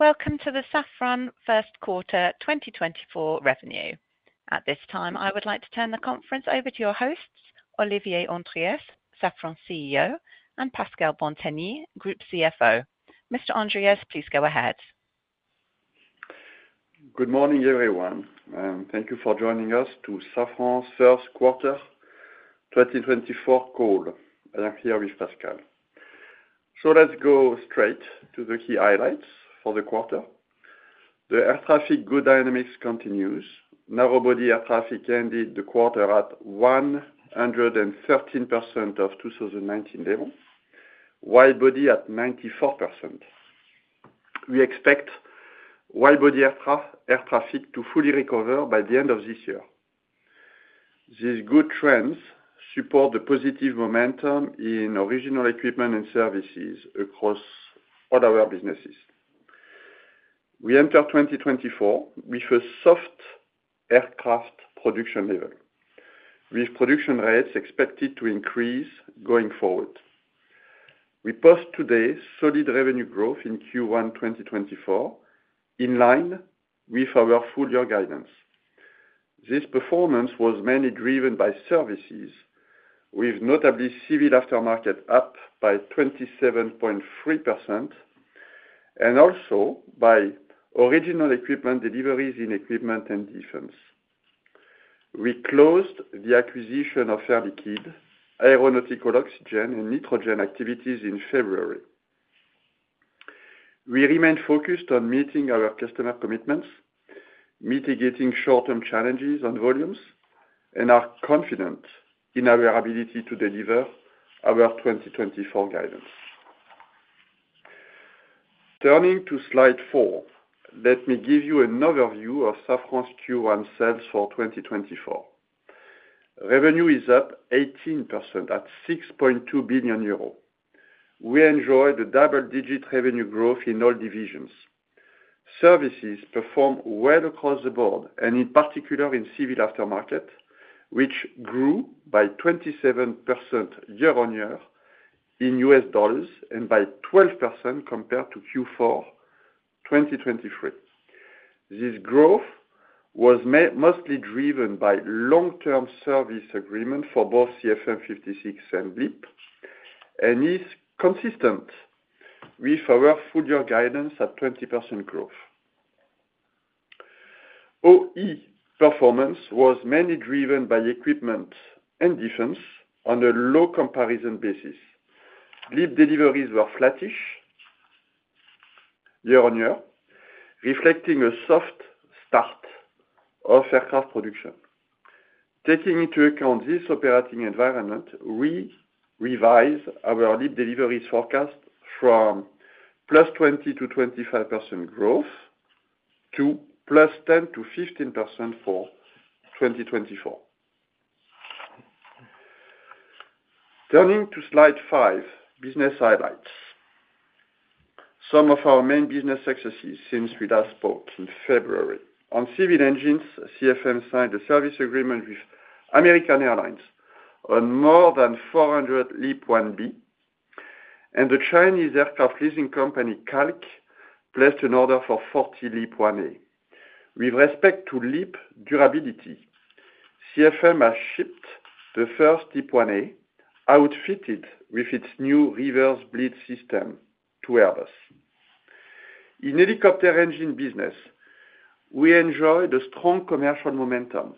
Welcome to the Safran First Quarter 2024 Revenue. At this time, I would like to turn the conference over to your hosts, Olivier Andriès, Safran CEO, and Pascal Bantegnie, Group CFO. Mr. Andriès, please go ahead. Good morning, everyone, and thank you for joining us to Safran's first quarter 2024 call. I'm here with Pascal. Let's go straight to the key highlights for the quarter. The air traffic good dynamics continues. Narrow body air traffic ended the quarter at 113% of 2019 level, wide body at 94%. We expect wide body air traffic to fully recover by the end of this year. These good trends support the positive momentum in original equipment and services across all our businesses. We enter 2024 with a soft aircraft production level, with production rates expected to increase going forward. We post today solid revenue growth in Q1 2024, in line with our full year guidance. This performance was mainly driven by services, with notably civil aftermarket up by 27.3% and also by original equipment deliveries in equipment and defense. We closed the acquisition of Air Liquide, aeronautical oxygen and nitrogen activities in February. We remain focused on meeting our customer commitments, mitigating short-term challenges on volumes, and are confident in our ability to deliver our 2024 guidance. Turning to Slide 4, let me give you an overview of Safran's Q1 sales for 2024. Revenue is up 18% at 6,200,000,000 euros. We enjoyed the double-digit revenue growth in all divisions. Services perform well across the board, and in particular in civil aftermarket, which grew by 27% year-on-year in US dollars and by 12% compared to Q4 2023. This growth was mostly driven by long-term service agreement for both CFM56 and LEAP, and is consistent with our full year guidance at 20% growth. OE performance was mainly driven by equipment and defense on a low comparison basis. LEAP deliveries were flattish year-on-year, reflecting a soft start of aircraft production. Taking into account this operating environment, we revise our LEAP deliveries forecast from +20%-25% growth to +10%-15% for 2024. Turning to Slide 5, business highlights. Some of our main business successes since we last spoke in February. On civil engines, CFM signed a service agreement with American Airlines on more than 400 LEAP-1B, and the China Aircraft Leasing Group, CALC, placed an order for 40 LEAP-1A. With respect to LEAP durability, CFM has shipped the first LEAP-1A, outfitted with its new reverse bleed system to Airbus. In helicopter engine business, we enjoyed a strong commercial momentum.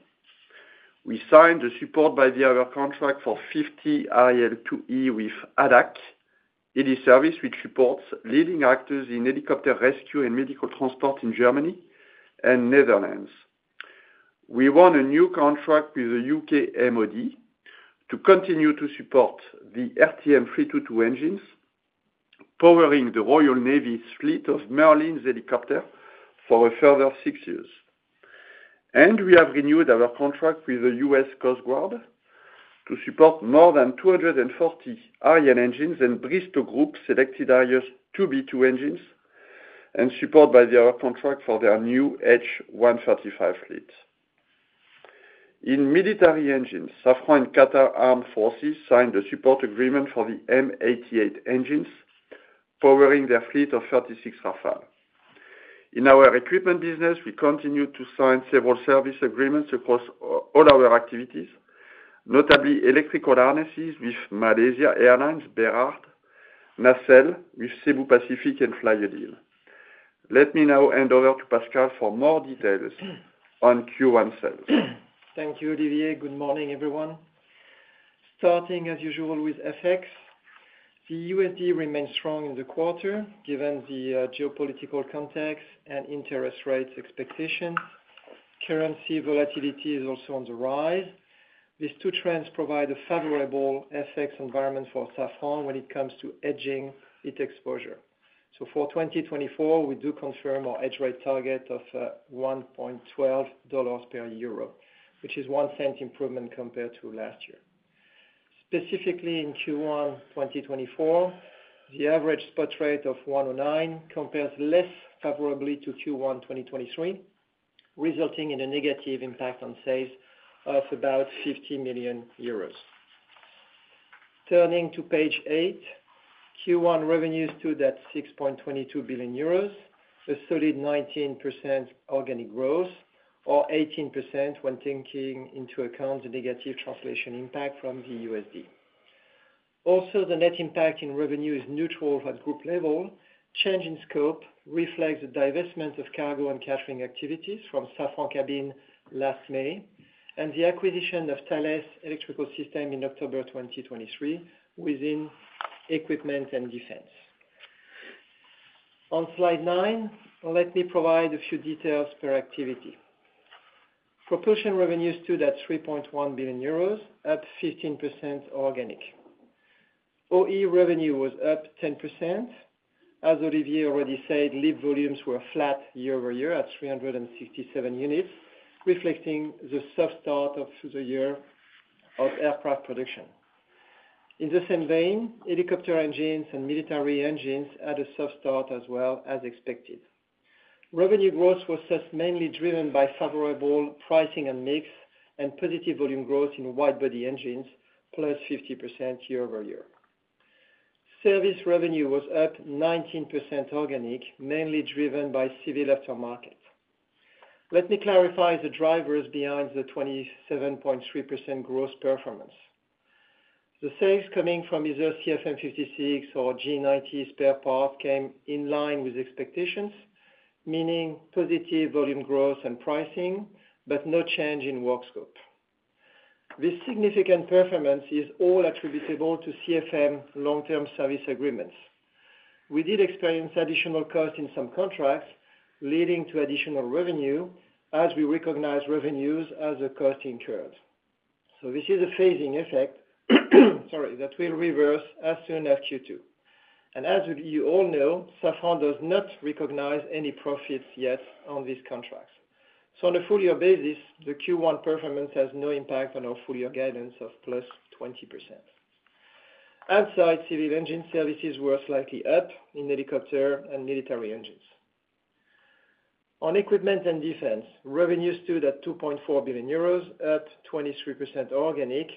We signed a Support-By-the-Hour contract for 50 Arriel 2E with ADAC Luftrettung, which supports leading actors in helicopter rescue and medical transport in Germany and Netherlands. We won a new contract with the UK MOD to continue to support the RTM322 engines, powering the Royal Navy's fleet of Merlin helicopters for a further 6 years. We have renewed our contract with the US Coast Guard to support more than 240 Arriel engines, and Bristow Group selected Arrius 2B2 engines and Support-By-the-Hour contract for their new H135 fleet. In military engines, Safran and Qatar Armed Forces signed a support agreement for the M88 engines, powering their fleet of 36 Rafale. In our equipment business, we continued to sign several service agreements across all our activities, notably electrical harnesses with Malaysia Airlines Berhad, nacelles with Cebu Pacific and Flyadeal. Let me now hand over to Pascal for more details on Q1 sales. Thank you, Olivier. Good morning, everyone. Starting as usual with FX. The USD remains strong in the quarter, given the geopolitical context and interest rates expectation. Currency volatility is also on the rise. These two trends provide a favorable FX environment for Safran when it comes to hedging its exposure. So for 2024, we do confirm our exchange rate target of $1.12 per euro, which is 1 cent improvement compared to last year. Specifically in Q1 2024, the average spot rate of 1.09 compares less favorably to Q1 2023, resulting in a negative impact on sales of about 50,000,000 euros. Turning to page eight, Q1 revenues stood at 6,220,000,000 euros, a solid 19% organic growth, or 18% when taking into account the negative translation impact from the USD. Also, the net impact in revenue is neutral at group level. Change in scope reflects the divestment of cargo and catering activities from Safran Cabin last May, and the acquisition of Thales Electrical Systems in October 2023 within equipment and defense. On slide 9, let me provide a few details per activity. Propulsion revenues stood at 3,100,000,000 euros, up 15% organic. OE revenue was up 10%. As Olivier already said, LEAP volumes were flat year-over-year at 367 units, reflecting the soft start of the year of aircraft production. In the same vein, helicopter engines and military engines had a soft start as well, as expected. Revenue growth was just mainly driven by favorable pricing and mix, and positive volume growth in wide body engines, +50% year-over-year. Service revenue was up 19% organic, mainly driven by civil aftermarket. Let me clarify the drivers behind the 27.3% growth performance. The sales coming from either CFM56 or GE90 spare parts came in line with expectations, meaning positive volume growth and pricing, but no change in work scope. This significant performance is all attributable to CFM long-term service agreements. We did experience additional costs in some contracts, leading to additional revenue as we recognize revenues as the cost incurs. So this is a phasing effect, sorry, that will reverse as soon as Q2. And as you all know, Safran does not recognize any profits yet on these contracts. So on a full year basis, the Q1 performance has no impact on our full year guidance of +20%. Outside civil engine services were slightly up in helicopter and military engines. On equipment and defense, revenues stood at 2,400,000,000 euros, up 23% organic.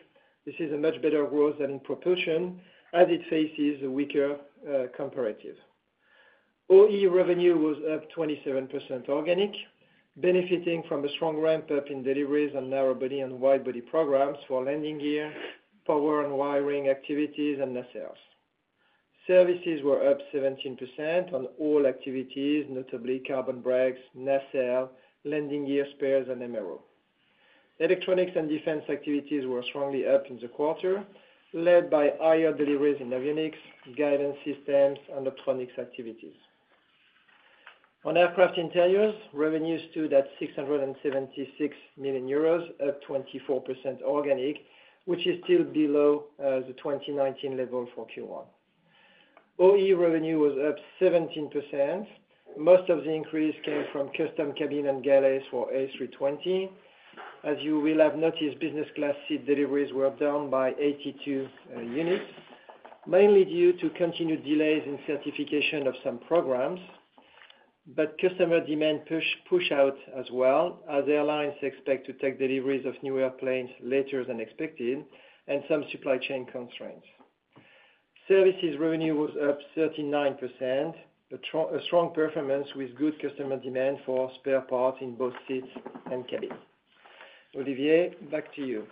This is a much better growth than in proportion, as it faces a weaker, comparative. OE revenue was up 27% organic, benefiting from a strong ramp up in deliveries on narrow body and wide body programs for landing gear, power and wiring activities, and nacelles. Services were up 17% on all activities, notably carbon brakes, nacelle, landing gear spares, and MRO. Electronics and defense activities were strongly up in the quarter, led by higher deliveries in avionics, guidance systems, and electronics activities. On aircraft interiors, revenues stood at 676,000,000 euros, up 24% organic, which is still below, the 2019 level for Q1. OE revenue was up 17%. Most of the increase came from custom cabin and galleys for A320. As you will have noticed, business class seat deliveries were down by 82 units, mainly due to continued delays in certification of some programs, but customer demand push out as well, as the airlines expect to take deliveries of new airplanes later than expected and some supply chain constraints. Services revenue was up 39%, a strong performance with good customer demand for spare parts in both seats and cabin. Olivier, back to you.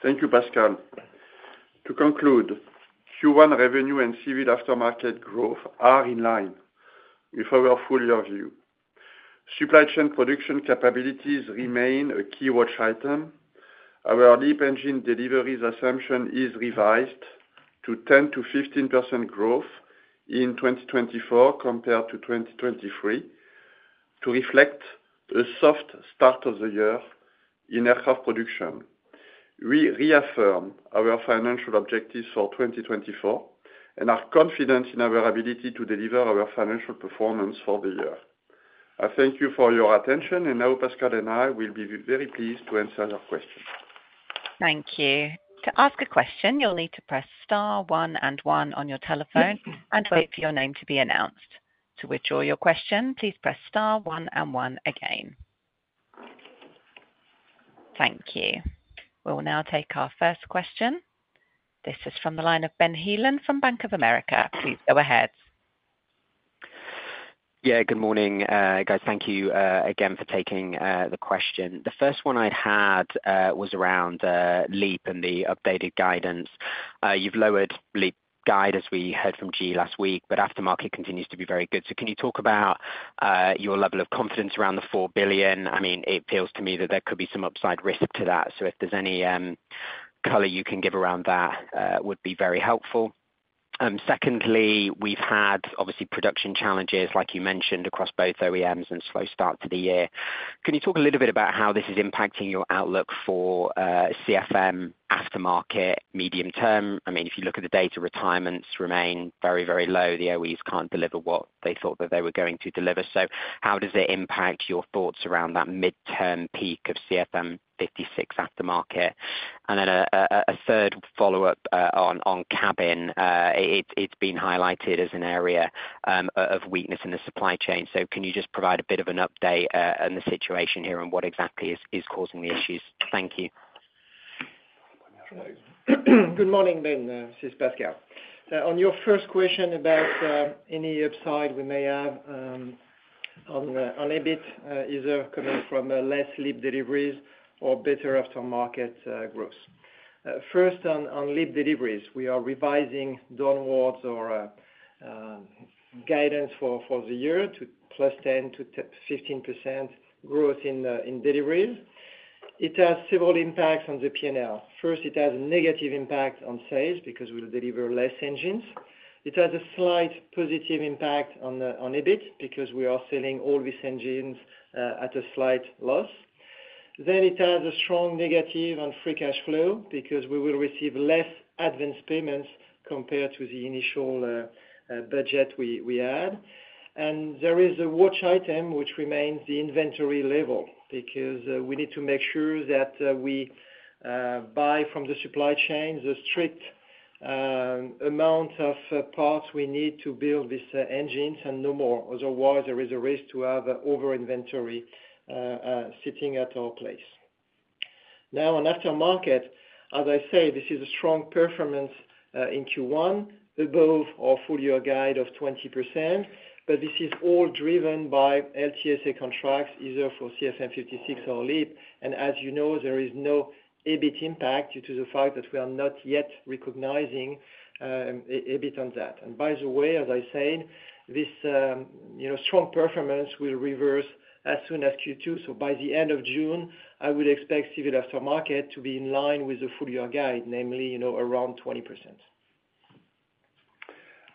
Thank you, Pascal. To conclude, Q1 revenue and civil aftermarket growth are in line with our full year view. Supply chain production capabilities remain a key watch item. Our LEAP engine deliveries assumption is revised to 10%-15% growth in 2024 compared to 2023, to reflect the soft start of the year in aircraft production. We reaffirm our financial objectives for 2024, and are confident in our ability to deliver our financial performance for the year. I thank you for your attention, and now Pascal and I will be very pleased to answer your questions. Thank you. To ask a question, you'll need to press star one and one on your telephone and wait for your name to be announced. To withdraw your question, please press star one and one again. Thank you. We will now take our first question. This is from the line of Ben Heelan from Bank of America. Please go ahead. Yeah, good morning, guys. Thank you again for taking the question. The first one I had was around LEAP and the updated guidance. You've lowered LEAP guide, as we heard from GE last week, but aftermarket continues to be very good. So can you talk about your level of confidence around the 4,000,000,000? I mean, it feels to me that there could be some upside risk to that. So if there's any color you can give around that would be very helpful. Secondly, we've had obviously production challenges, like you mentioned, across both OEMs and slow start to the year. Can you talk a little bit about how this is impacting your outlook for CFM aftermarket medium term? I mean, if you look at the data, retirements remain very, very low. The OE's can't deliver what they thought that they were going to deliver. So how does it impact your thoughts around that midterm peak of CFM56 aftermarket? And then a third follow-up on cabin. It's been highlighted as an area of weakness in the supply chain. So can you just provide a bit of an update on the situation here and what exactly is causing the issues? Thank you. Good morning, Ben. This is Pascal. On your first question about any upside we may have on EBIT, either coming from less LEAP deliveries or better aftermarket growth. First on LEAP deliveries, we are revising downwards our guidance for the year to +10%-15% growth in deliveries. It has several impacts on the P&L. First, it has a negative impact on sales because we'll deliver less engines. It has a slight positive impact on EBIT because we are selling all these engines at a slight loss. Then it has a strong negative on free cash flow because we will receive less advanced payments compared to the initial budget we had. There is a watch item which remains the inventory level, because we need to make sure that we buy from the supply chain, the strict amount of parts we need to build these engines and no more. Otherwise, there is a risk to have over-inventory sitting at our place. Now, on aftermarket, as I said, this is a strong performance in Q1, above our full year guide of 20%, but this is all driven by LTSA contracts, either for CFM56 or LEAP. And as you know, there is no EBIT impact due to the fact that we are not yet recognizing EBIT on that. By the way, as I said, this you know strong performance will reverse as soon as Q2. So by the end of June, I would expect civil aftermarket to be in line with the full year guide, namely, you know, around 20%.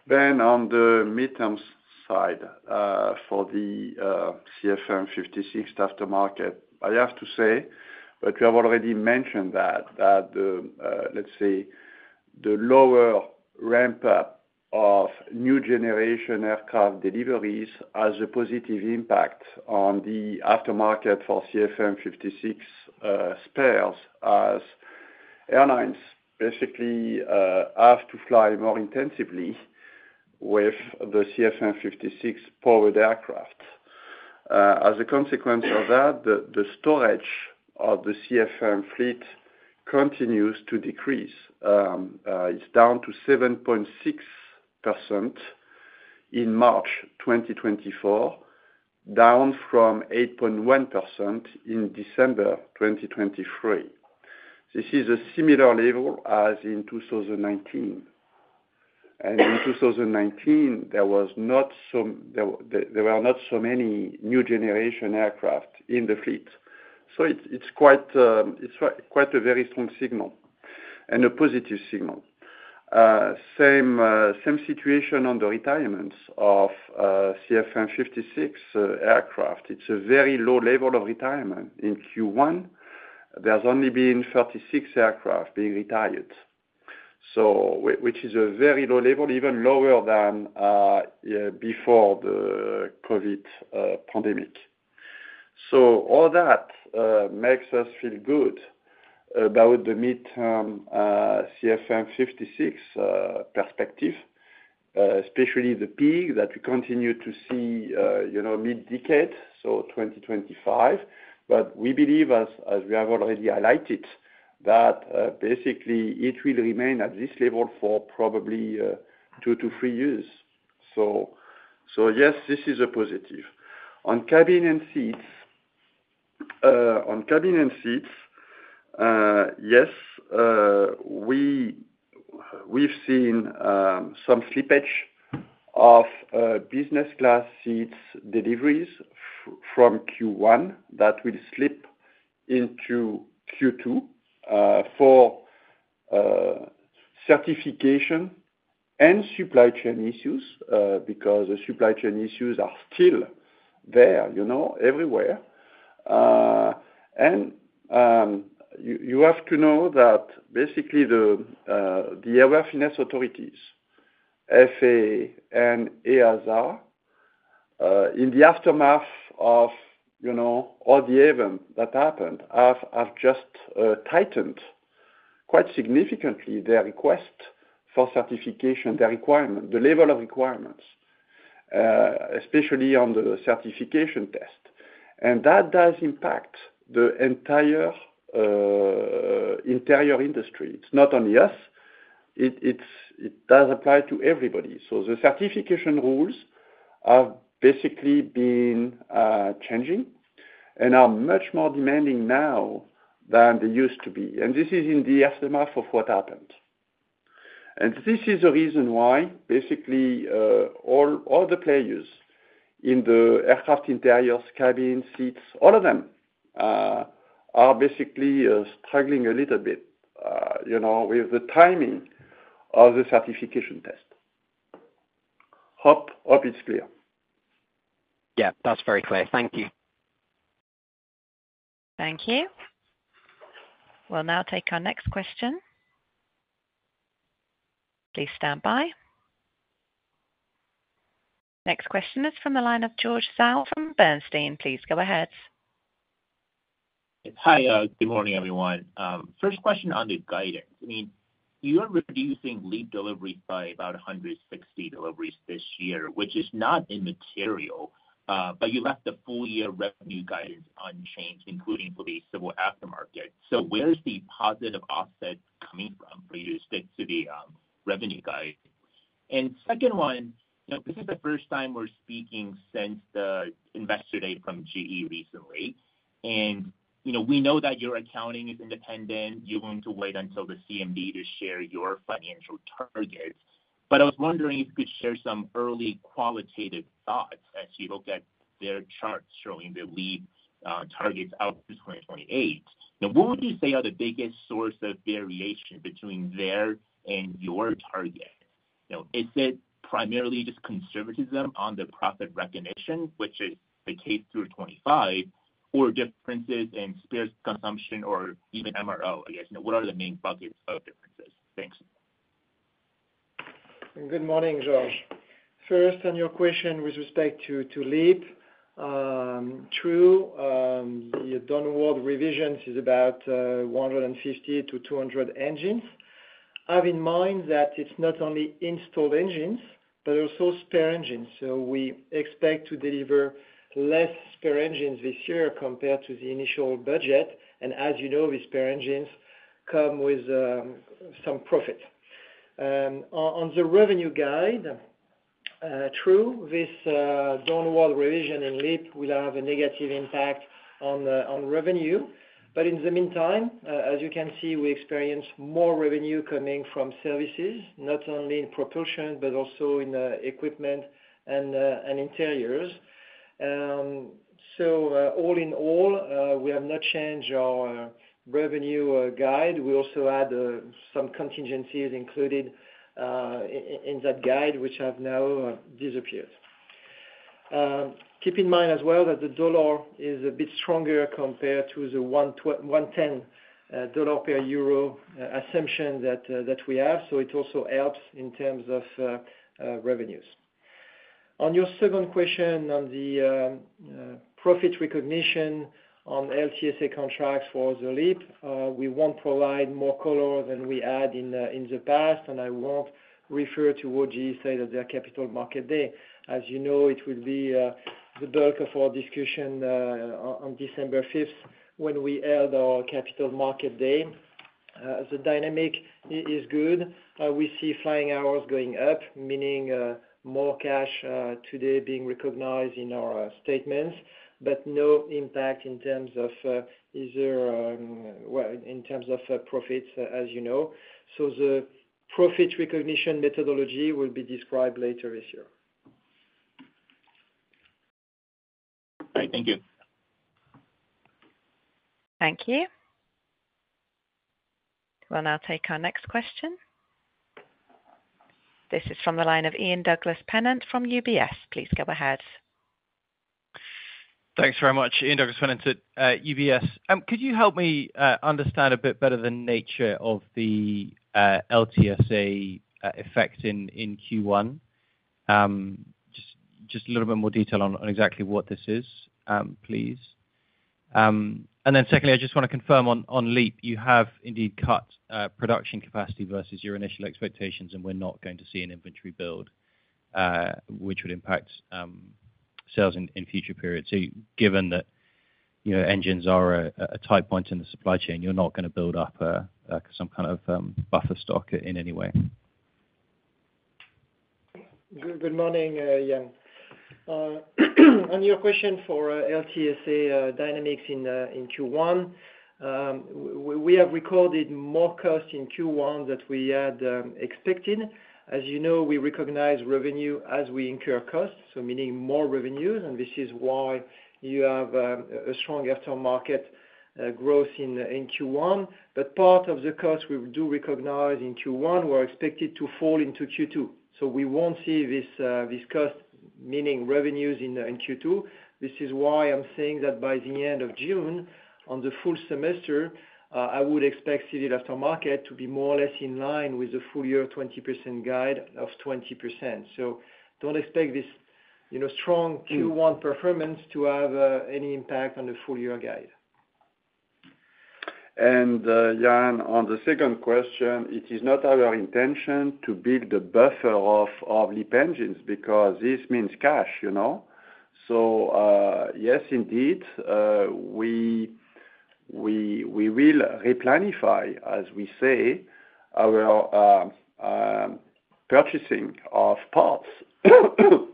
Then on the midterms side, for the CFM56 aftermarket, I have to say that you have already mentioned that the lower ramp up of new generation aircraft deliveries has a positive impact on the aftermarket for CFM56 spares, as airlines basically have to fly more intensively with the CFM56 powered aircraft. As a consequence of that, the storage of the CFM fleet continues to decrease. It's down to 7.6% in March 2024, down from 8.1% in December 2023. This is a similar level as in 2019. In 2019, there were not so many new generation aircraft in the fleet. So it's quite a very strong signal and a positive signal. Same, same situation on the retirements of CFM56 aircraft. It's a very low level of retirement in Q1. There's only been 36 aircraft being retired. So which is a very low level, even lower than, yeah, before the COVID pandemic. So all that makes us feel good about the midterm CFM56 perspective, especially the peak that we continue to see, you know, mid-decade, so 2025. But we believe, as we have already highlighted, that basically it will remain at this level for probably 2-3 years. So yes, this is a positive. On cabin and seats, yes, we've seen some slippage of business class seats deliveries from Q1 that will slip into Q2, for certification and supply chain issues, because the supply chain issues are still there, you know, everywhere. And you have to know that basically the airworthiness authorities, FAA and EASA, in the aftermath of, you know, all the event that happened, have just tightened quite significantly their request for certification, their requirement, the level of requirements, especially on the certification test. And that does impact the entire interior industry. It's not only us, it does apply to everybody. So the certification rules have basically been changing and are much more demanding now than they used to be. This is in the aftermath of what happened. This is the reason why, basically, all the players in the aircraft interiors, cabin, seats, all of them, are basically struggling a little bit, you know, with the timing of the certification test. Hope it's clear. Yeah, that's very clear. Thank you. Thank you. We'll now take our next question. Please stand by. Next question is from the line of George Zhao from Bernstein. Please go ahead. Hi, good morning, everyone. First question on the guidance, I mean, you are reducing LEAP delivery by about 160 deliveries this year, which is not immaterial, but you left the full year revenue guidance unchanged, including for the civil aftermarket. So where is the positive offset coming from for you to stick to the revenue guide? And second one, now, this is the first time we're speaking since the investor day from GE recently, and, you know, we know that your accounting is independent. You want to wait until the CMD to share your financial targets. But I was wondering if you could share some early qualitative thoughts as you look at their charts showing their LEAP targets out to 2028. Now, what would you say are the biggest source of variation between their and your target? You know, is it primarily just conservatism on the profit recognition, which is the case through 2025, or differences in spares consumption or even MRO, I guess? You know, what are the main buckets of differences? Thanks. Good morning, George. First, on your question with respect to LEAP, true, the downward revisions is about 150-200 engines. Have in mind that it's not only installed engines, but also spare engines. So we expect to deliver less spare engines this year compared to the initial budget, and as you know, the spare engines come with some profit. On the revenue guide, true, this downward revision in LEAP will have a negative impact on revenue. But in the meantime, as you can see, we experience more revenue coming from services, not only in propulsion, but also in equipment and interiors. So all in all, we have not changed our revenue guide. We also add some contingencies included in that guide, which have now disappeared. Keep in mind as well, that the dollar is a bit stronger compared to the $1.10 per euro assumption that we have. So it also helps in terms of revenues. On your second question on the profit recognition on LTSA contracts for the LEAP, we won't provide more color than we had in the past, and I won't refer to what GE said at their Capital Market Day. As you know, it will be the bulk of our discussion on December fifth, when we held our Capital Market Day. The dynamic is good. We see flying hours going up, meaning more cash today being recognized in our statements, but no impact in terms of easier, well, in terms of profits, as you know. So the profit recognition methodology will be described later this year. All right. Thank you. Thank you. We'll now take our next question. This is from the line of Ian Douglas-Pennant from UBS. Please go ahead. Thanks very much, Ian Douglas-Pennant at UBS. Could you help me understand a bit better the nature of the LTSA effect in Q1? Just a little bit more detail on exactly what this is, please. And then secondly, I just wanna confirm on LEAP, you have indeed cut production capacity versus your initial expectations, and we're not going to see an inventory build, which would impact sales in future periods. So given that, you know, engines are a tight point in the supply chain, you're not gonna build up some kind of buffer stock in any way? Good, good morning, Ian. On your question for LTSA dynamics in Q1, we have recorded more costs in Q1 than we had expected. As you know, we recognize revenue as we incur costs, so meaning more revenues, and this is why you have a strong aftermarket growth in Q1. But part of the costs we do recognize in Q1 were expected to fall into Q2, so we won't see this cost, meaning revenues in Q2. This is why I'm saying that by the end of June, on the full semester, I would expect civil aftermarket to be more or less in line with the full year 20% guide of 20%. So don't expect this, you know, strong Q1 performance to have any impact on the full year guide. Ian, on the second question, it is not our intention to build the buffer of LEAP engines, because this means cash, you know? So, yes, indeed, we will replanify, as we say, our purchasing of parts,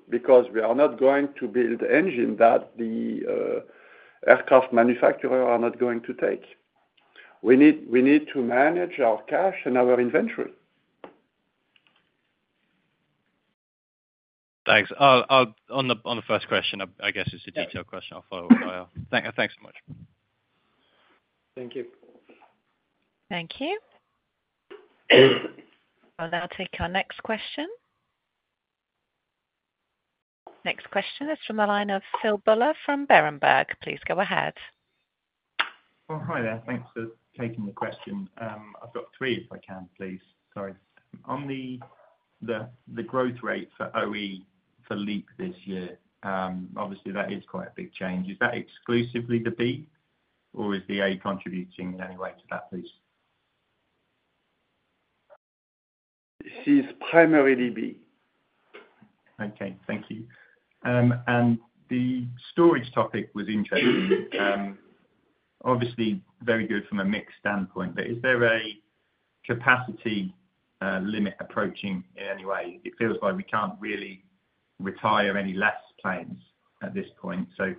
because we are not going to build the engine that the aircraft manufacturer are not going to take. We need to manage our cash and our inventory. Thanks. On the first question, I guess it's a detailed question. Yeah. I'll follow up. Thanks so much. Thank you. Thank you. I'll now take our next question. Next question is from the line of Phil Buller from Berenberg. Please go ahead. Well, hi there. Thanks for taking the question. I've got three, if I can, please. Sorry. On the growth rate for OE for LEAP this year, obviously that is quite a big change. Is that exclusively the B?... or is the A contributing in any way to that, please? This is primarily B. Okay, thank you. The storage topic was interesting. Obviously very good from a mix standpoint, but is there a capacity limit approaching in any way? It feels like we can't really retire any less planes at this point. So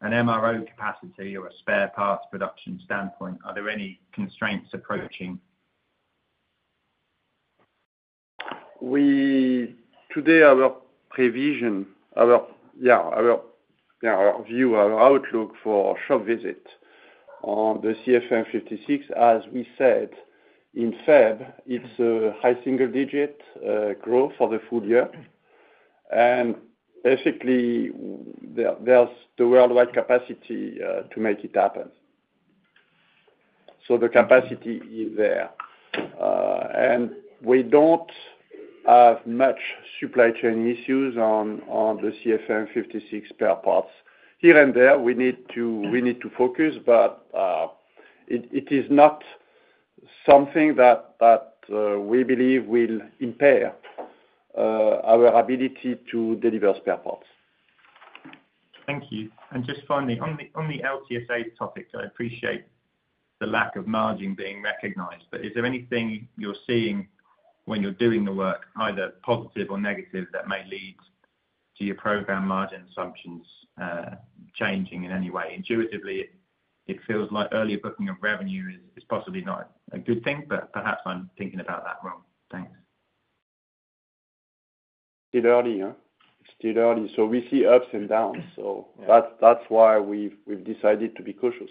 from an MRO capacity or a spare parts production standpoint, are there any constraints approaching? Today, our view, our outlook for shop visit on the CFM56, as we said in February, it's a high single digit growth for the full year. And basically, there's the worldwide capacity to make it happen. So the capacity is there. And we don't have much supply chain issues on the CFM56 spare parts. Here and there, we need to focus, but it is not something that we believe will impair our ability to deliver spare parts. Thank you, and just finally, on the LTSA topic, I appreciate the lack of margin being recognized, but is there anything you're seeing when you're doing the work, either positive or negative, that may lead to your program margin assumptions changing in any way? Intuitively, it feels like earlier booking of revenue is possibly not a good thing, but perhaps I'm thinking about that wrong. Thanks. It's still early, huh? It's still early, so we see ups and downs. So that's, that's why we've, we've decided to be cautious.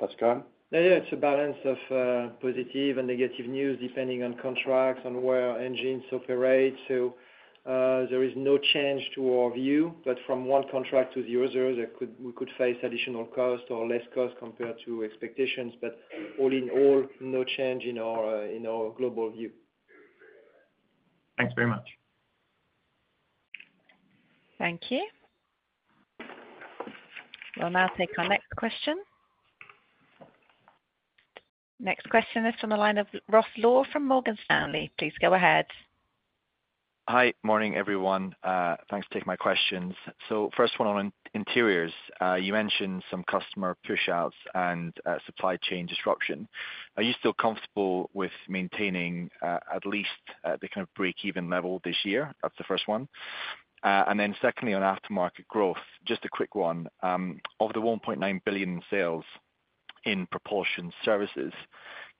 Pascal? Yeah, yeah, it's a balance of positive and negative news, depending on contracts and where our engines operate. So, there is no change to our view, but from one contract to the other, there could—we could face additional costs or less costs compared to expectations. But all in all, no change in our, in our global view. Thanks very much. Thank you. We'll now take our next question. Next question is from the line of Ross Law from Morgan Stanley. Please go ahead. Hi. Morning, everyone. Thanks to take my questions. So first one on interiors. You mentioned some customer pushouts and supply chain disruption. Are you still comfortable with maintaining at least the kind of breakeven level this year? That's the first one. And then secondly, on aftermarket growth, just a quick one. Of the 1,900,000,000 in sales in propulsion services,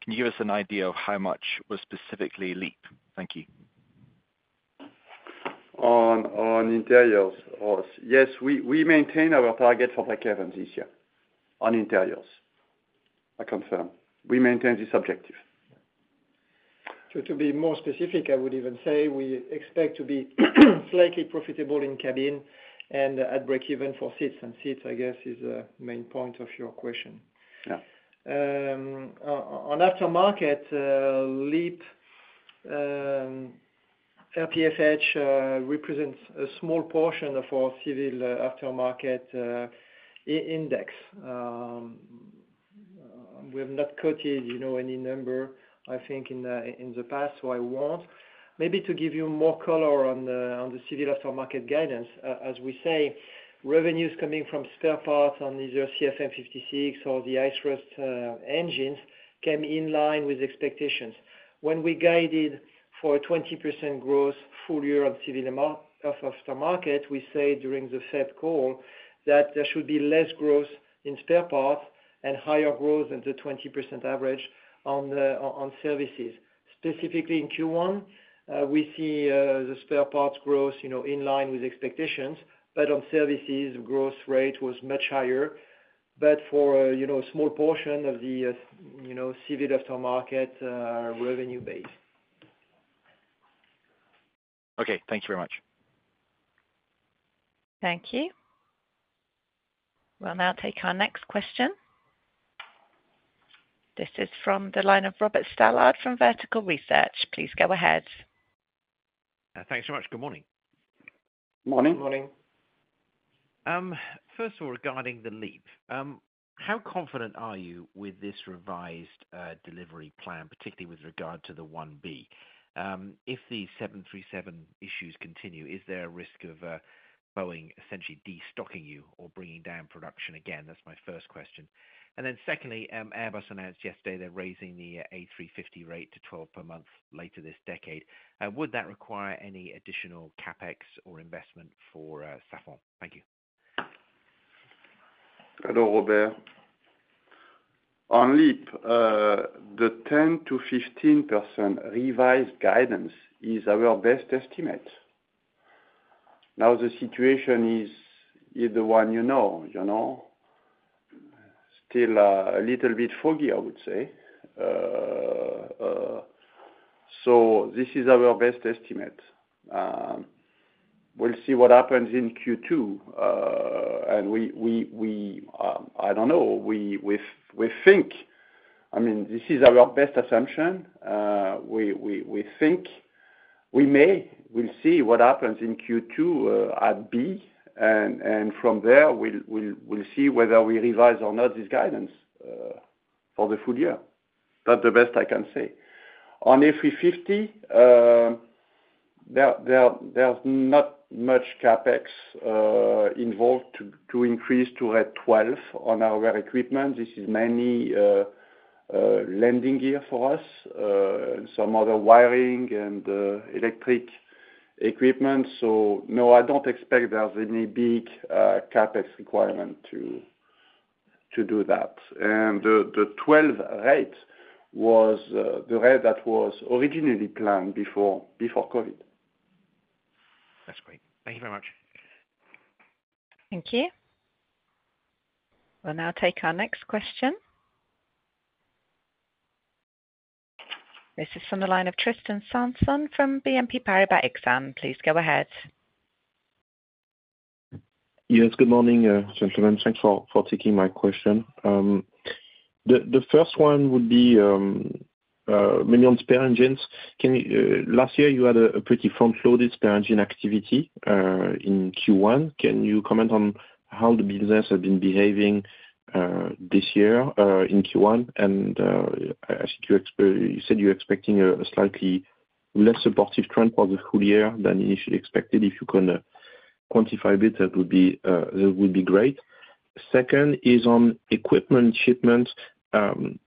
can you give us an idea of how much was specifically LEAP? Thank you. On interiors, Ross, yes, we maintain our target for breakevens this year on interiors. I confirm, we maintain this objective. So to be more specific, I would even say we expect to be slightly profitable in cabin and at breakeven for seats, and seats, I guess, is the main point of your question. Yeah. On aftermarket, LEAP RPFH represents a small portion of our civil aftermarket Index. We have not quoted, you know, any number, I think, in the past, so I won't. Maybe to give you more color on the civil aftermarket guidance, as we say, revenues coming from spare parts on either CFM56 or the LEAP engines came in line with expectations. When we guided for a 20% growth full year on civil aftermarket, we said during the third call, that there should be less growth in spare parts and higher growth than the 20% average on services. Specifically, in Q1, we see the spare parts growth, you know, in line with expectations, but on services, growth rate was much higher. But for, you know, a small portion of the, you know, civil aftermarket revenue base. Okay, thank you very much. Thank you. We'll now take our next question. This is from the line of Robert Stallard from Vertical Research. Please go ahead. Thanks so much. Good morning. Morning. Good morning. First of all, regarding the LEAP, how confident are you with this revised delivery plan, particularly with regard to the 1B? If the 737 issues continue, is there a risk of Boeing essentially destocking you or bringing down production again? That's my first question. And then secondly, Airbus announced yesterday they're raising the A350 rate to 12 per month later this decade. Would that require any additional CapEx or investment for Safran? Thank you. Hello, Robert. On LEAP, the 10%-15% revised guidance is our best estimate. Now, the situation is the one you know, you know? Still, a little bit foggy, I would say. So this is our best estimate. We'll see what happens in Q2. And we, I don't know, we think—I mean, this is our best assumption. We think we may, we'll see what happens in Q2, at B, and from there, we'll see whether we revise or not this guidance, for the full year. That's the best I can say. On A350, there's not much CapEx involved to increase to rate 12 on our equipment. This is mainly landing gear for us, some other wiring and electric equipment. So no, I don't expect there's any big CapEx requirement to do that. And the 12 rate was the rate that was originally planned before COVID. That's great. Thank you very much. Thank you. We'll now take our next question. This is from the line of Tristan Sanson from BNP Paribas Exane. Please go ahead. Yes, good morning, gentlemen. Thanks for taking my question. The first one would be mainly on spare engines. Last year you had a pretty front-loaded spare engine activity in Q1. Can you comment on how the business has been behaving this year in Q1? And I see you said you're expecting a slightly less supportive trend for the full year than initially expected. If you can quantify a bit, that would be great. Second is on equipment shipments. I'm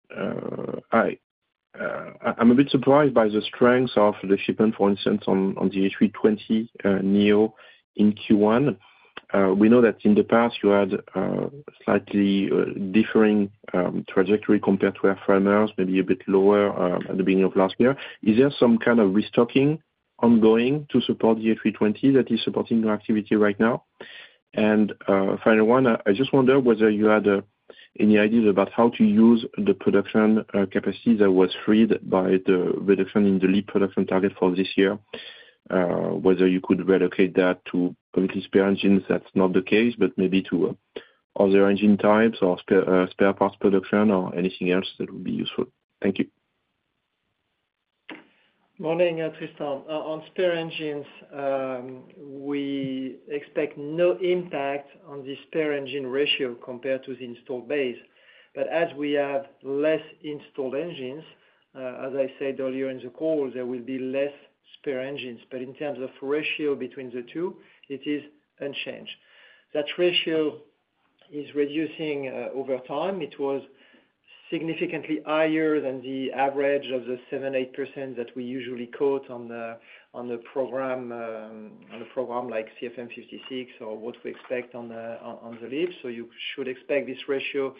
a bit surprised by the strength of the shipment, for instance, on the A320neo in Q1. We know that in the past you had slightly differing trajectory compared to airframers, maybe a bit lower, at the beginning of last year. Is there some kind of restocking ongoing to support the A320 that is supporting your activity right now? And final one, I just wonder whether you had any ideas about how to use the production capacity that was freed by the reduction in the LEAP production target for this year? Whether you could relocate that to completely spare engines, that's not the case, but maybe to other engine types or spare spare parts production or anything else that would be useful. Thank you. Morning, Tristan. On spare engines, we expect no impact on the spare engine ratio compared to the installed base. But as we have less installed engines, as I said earlier in the call, there will be less spare engines. But in terms of ratio between the two, it is unchanged. That ratio is reducing over time. It was significantly higher than the average of the 7-8% that we usually quote on the program, on a program like CFM56 or what we expect on the LEAP. So you should expect this ratio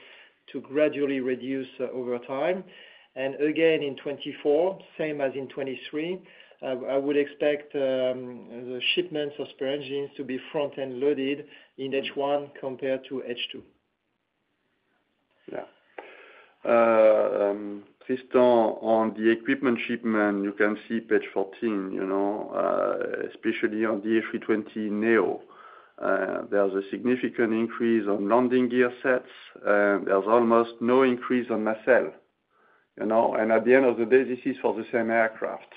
to gradually reduce over time. And again, in 2024, same as in 2023, I would expect the shipments of spare engines to be front-end loaded in H1 compared to H2. Yeah. Tristan, on the equipment shipment, you can see page 14, you know, especially on the A320neo, there's a significant increase on landing gear sets, there's almost no increase on nacelle, you know? And at the end of the day, this is for the same aircraft.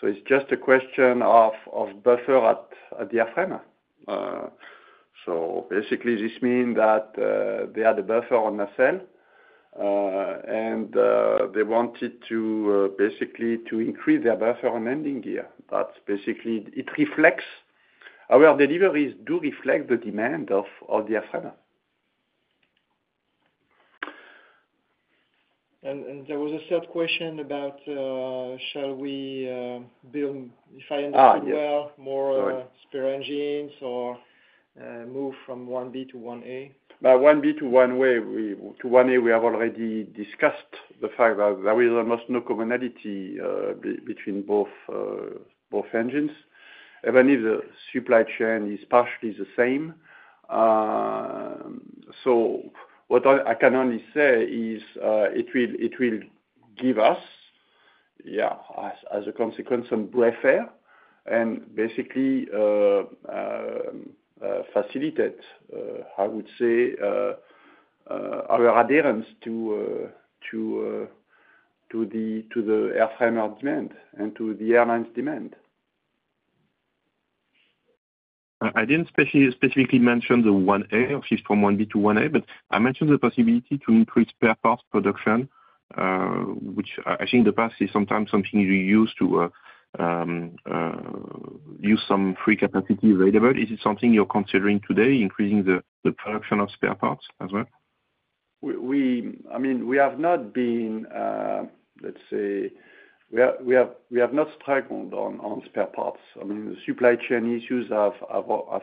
So it's just a question of buffer at the airframer. So basically, this mean that they had a buffer on the nacelle, and they wanted to basically to increase their buffer on landing gear. That's basically it reflects our deliveries do reflect the demand of the airframer. There was a third question about shall we build, if I understand well- Ah, yes. more spare engines or move from one B to one A? LEAP-1B to LEAP-1A, LEAP-1A, we have already discussed the fact that there is almost no commonality between both engines, even if the supply chain is partially the same. So what I can only say is, it will give us, yeah, as a consequence, some fresh air and basically facilitate, I would say, our adherence to the airframer demand and to the airline's demand. I didn't specifically mention the 1A or shift from 1B to 1A, but I mentioned the possibility to increase spare parts production, which I think in the past is sometimes something you use to use some free capacity available. Is this something you're considering today, increasing the production of spare parts as well? I mean, we have not been, let's say, we have not struggled on spare parts. I mean, the supply chain issues have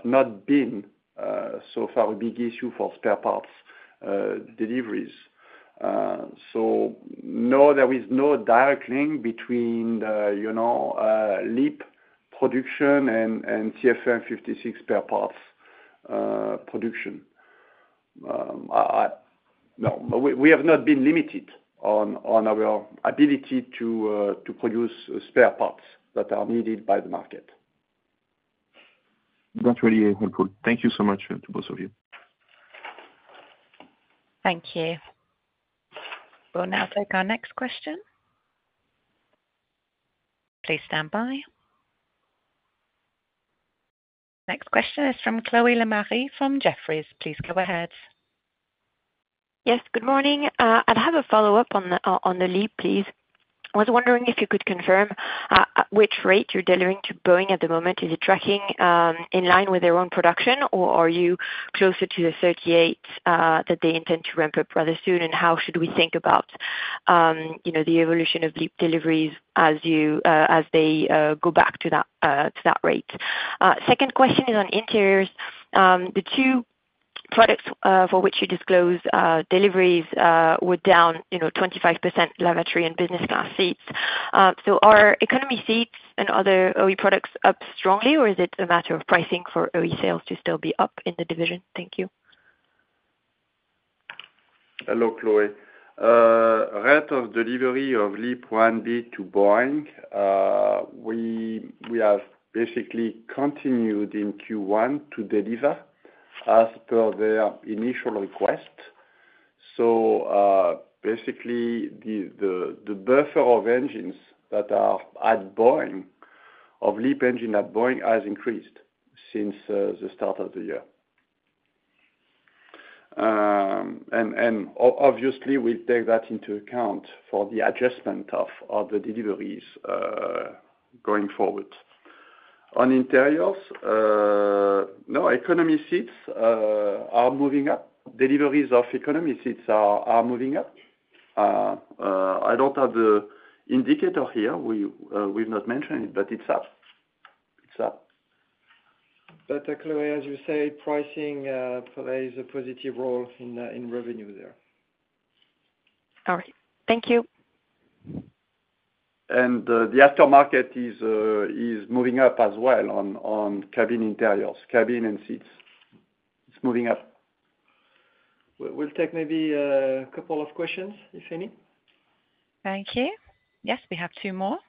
not been so far a big issue for spare parts deliveries. So no, there is no direct link between the, you know, LEAP production and CFM56 spare parts production. No, but we have not been limited on our ability to produce spare parts that are needed by the market.... That's really helpful. Thank you so much to both of you. Thank you. We'll now take our next question. Please stand by. Next question is from Chloé Lemarié from Jefferies. Please go ahead. Yes, good morning. I'd have a follow-up on the LEAP, please. I was wondering if you could confirm at which rate you're delivering to Boeing at the moment. Is it tracking in line with their own production, or are you closer to the 38 that they intend to ramp up rather soon? And how should we think about, you know, the evolution of LEAP deliveries as they go back to that rate? Second question is on interiors. The two products for which you disclose deliveries were down, you know, 25% lavatory and business class seats. So are economy seats and other OE products up strongly, or is it a matter of pricing for OE sales to still be up in the division? Thank you. Hello, Chloé. Rate of delivery of LEAP-1B to Boeing, we have basically continued in Q1 to deliver as per their initial request. So, basically, the buffer of engines that are at Boeing, of LEAP engines at Boeing has increased since the start of the year. And obviously, we take that into account for the adjustment of the deliveries going forward. On interiors, no, economy seats are moving up. Deliveries of economy seats are moving up. I don't have the indicator here. We've not mentioned it, but it's up. It's up. Chloé, as you say, pricing plays a positive role in revenue there. All right. Thank you. The aftermarket is moving up as well on cabin interiors, cabin and seats. It's moving up. We'll take maybe a couple of questions, if any. Thank you. Yes, we have two more.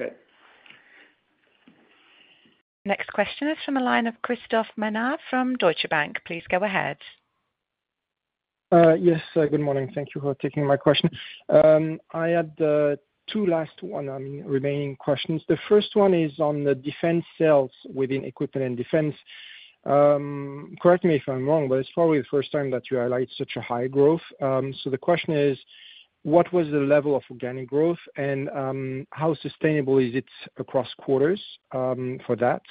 Okay. Next question is from the line of Christophe Ménard from Deutsche Bank. Please go ahead. Yes, good morning. Thank you for taking my question. I had two last one, I mean, remaining questions. The first one is on the defense sales within equipment and defense. Correct me if I'm wrong, but it's probably the first time that you highlight such a high growth. So the question is: What was the level of organic growth, and how sustainable is it across quarters, for that?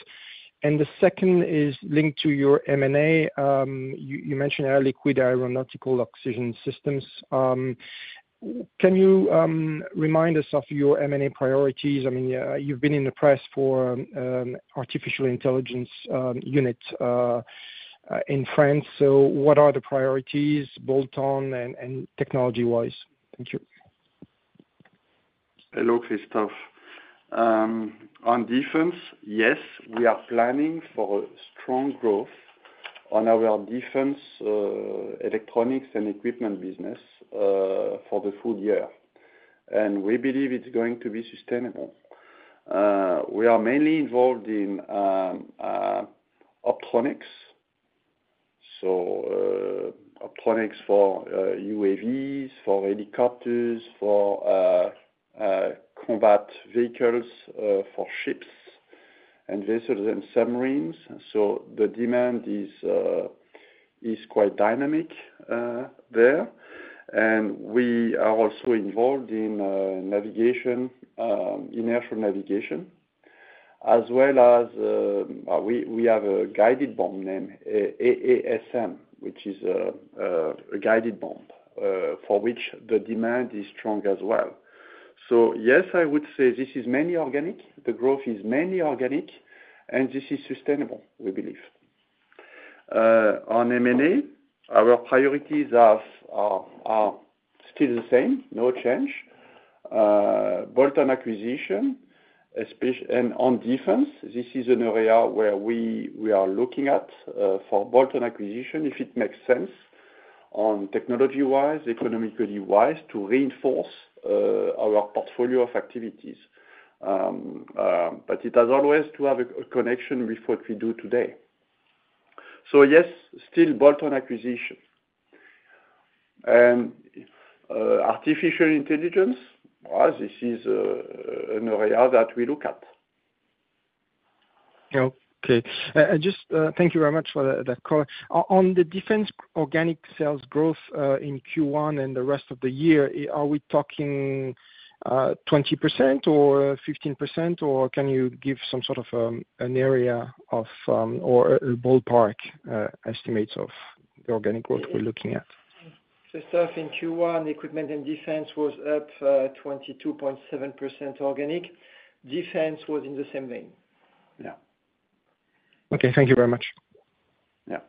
And the second is linked to your M&A. You mentioned Air Liquide Aeronautical Oxygen Systems. Can you remind us of your M&A priorities? I mean, you've been in the press for artificial intelligence unit in France, so what are the priorities, bolt-on and technology wise? Thank you. Hello, Christophe. On defense, yes, we are planning for strong growth on our defense electronics and equipment business for the full year, and we believe it's going to be sustainable. We are mainly involved in optronics. So, optronics for UAVs, for helicopters, for combat vehicles, for ships and vessels and submarines, so the demand is quite dynamic there. And we are also involved in navigation, inertial navigation, as well as we have a guided bomb named AASM, which is a guided bomb for which the demand is strong as well. So, yes, I would say this is mainly organic, the growth is mainly organic, and this is sustainable, we believe. On M&A, our priorities are still the same, no change. Bolt-on acquisition, and on defense, this is an area where we are looking at for bolt-on acquisition, if it makes sense, on technology-wise, economically-wise, to reinforce our portfolio of activities. But it has always to have a connection with what we do today. So yes, still bolt-on acquisition. And artificial intelligence, this is an area that we look at. Okay. And just thank you very much for that call. On the defense organic sales growth in Q1 and the rest of the year, are we talking 20% or 15%, or can you give some sort of an area or a ballpark estimates of the organic growth we're looking at? Christophe, in Q1, equipment and defense was up 22.7% organic. Defense was in the same vein. Yeah. Okay, thank you very much. Yeah.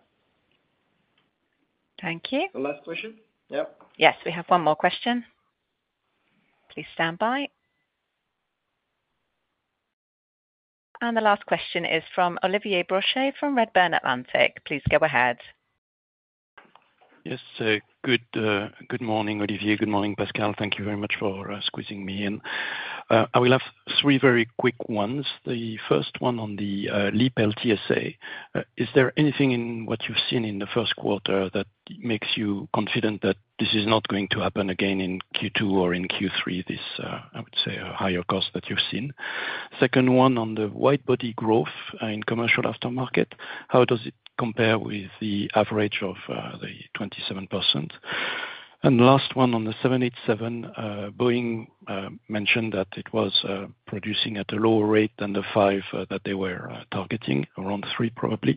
Thank you. The last question? Yep. Yes, we have one more question. Please stand by. The last question is from Olivier Brochet from Redburn Atlantic. Please go ahead. ... Yes, so good morning, Olivier. Good morning, Pascal. Thank you very much for squeezing me in. I will have three very quick ones. The first one on the LEAP LTSA. Is there anything in what you've seen in the first quarter that makes you confident that this is not going to happen again in Q2 or in Q3, this, I would say, a higher cost that you've seen? Second one on the wide body growth in commercial aftermarket, how does it compare with the average of the 27%? And last one on the 787, Boeing mentioned that it was producing at a lower rate than the five that they were targeting, around three, probably.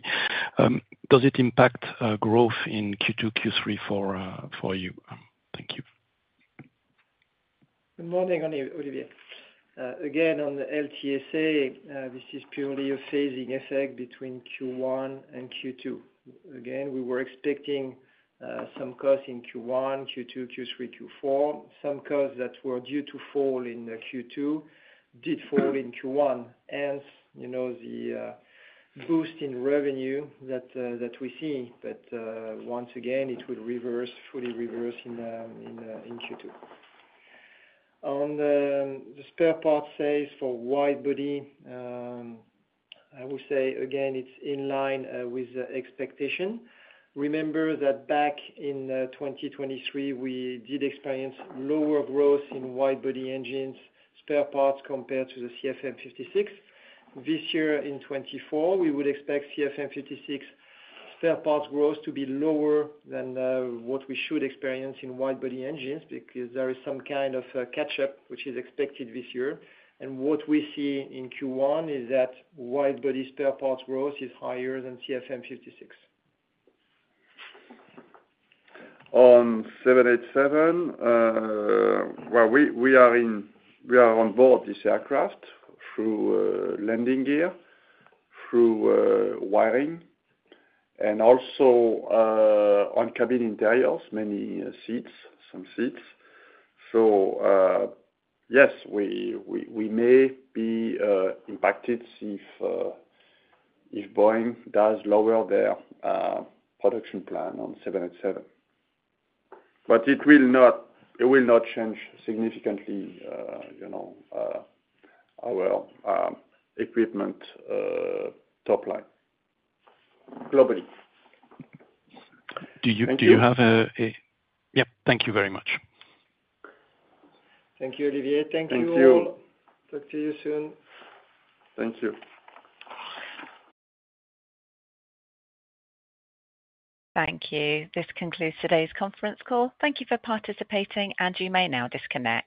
Does it impact growth in Q2, Q3 for you? Thank you. Good morning, Olivier. Again, on the LTSA, this is purely a phasing effect between Q1 and Q2. Again, we were expecting some costs in Q1, Q2, Q3, Q4. Some costs that were due to fall in Q2, did fall in Q1, and, you know, the boost in revenue that we see, that once again, it will reverse, fully reverse in Q2. On the spare parts sales for wide body, I will say again, it's in line with the expectation. Remember that back in 2023, we did experience lower growth in wide body engines, spare parts compared to the CFM56. This year in 2024, we would expect CFM56 spare parts growth to be lower than what we should experience in wide body engines. Because there is some kind of a catchup, which is expected this year, and what we see in Q1 is that wide body spare parts growth is higher than CFM56. On 787, well, we are on board this aircraft through landing gear, through wiring, and also on cabin interiors, many seats, some seats. So, yes, we may be impacted if Boeing does lower their production plan on 787. But it will not, it will not change significantly, you know, our equipment top line, globally. Do you- Thank you. Do you have a... Yep. Thank you very much. Thank you, Olivier. Thank you. Thank you all. Talk to you soon. Thank you. Thank you. This concludes today's conference call. Thank you for participating, and you may now disconnect.